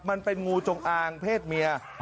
มันเป็นงูจงอางเพศเมีย